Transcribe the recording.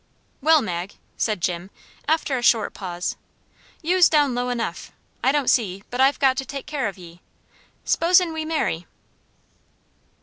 "Well, Mag," said Jim, after a short pause, "you's down low enough. I don't see but I've got to take care of ye. 'Sposin' we marry!"